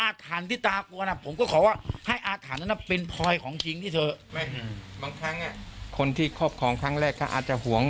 จริงที่เธอไม่บางครั้งคนที่ครอบของครั้งแรกอาจจะห่วง